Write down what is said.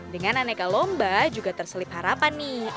dengan aneka lomba juga terselip harapan nih